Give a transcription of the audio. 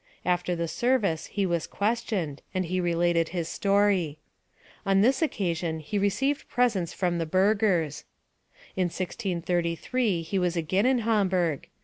After the service he was questioned, and he related his story. On this occasion he received presents from the burgers. In 1633 he was again in Hamburg.